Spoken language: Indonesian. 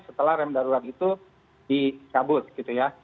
setelah rem darurat itu dicabut gitu ya